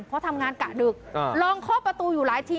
เพราะทำงานกะดึกลองเคาะประตูอยู่หลายที